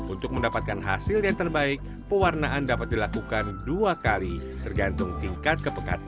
untuk mendapatkan hasil yang terbaik pewarnaan dapat dilakukan dua kali tergantung tingkat kepekatan